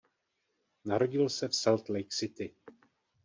Narodil se v Salt Lake City.